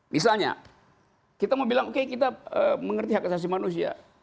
misalnya kita mau bilang oke kita mengerti hak asasi manusia